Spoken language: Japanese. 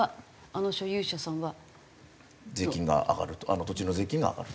あの土地の税金が上がると。